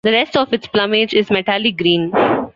The rest of its plumage is metallic green.